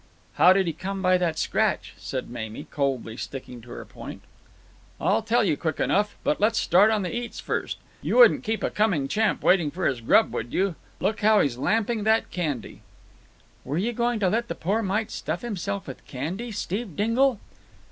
"How did he come by that scratch?" said Mamie, coldly sticking to her point. "I'll tell you quick enough. But let's start in on the eats first. You wouldn't keep a coming champ waiting for his grub, would you? Look how he's lamping that candy." "Were you going to let the poor mite stuff himself with candy, Steve Dingle?"